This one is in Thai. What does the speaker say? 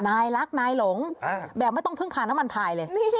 นายรักนายหลงแบบไม่ต้องพึ่งพาน้ำมันพายเลย